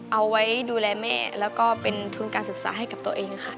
เอาไว้ดูแลแม่แล้วก็เป็นทุนการศึกษาให้กับตัวเองค่ะ